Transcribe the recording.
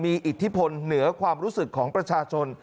มีอิทธิพลเหนือความรู้สึกของประชาชน